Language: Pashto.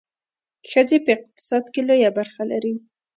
ښځې په اقتصاد کې لویه برخه لري.